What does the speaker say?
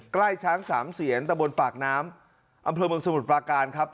ใกล้ช้างสามเสียนตะบนปากน้ำอำเภอเมืองสมุทรปราการครับ